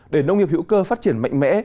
để nông nghiệp hữu cơ phát triển mạnh mẽ